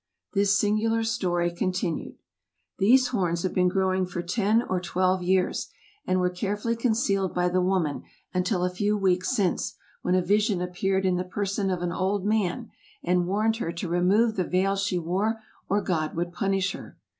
This singular story continued: "These horns have been growing for ten or twelve years, and were carefully concealed by the woman until a few weeks since, when a vision appeared in the person of an old man, and warned her to remove the veil she wore, or God would punish her.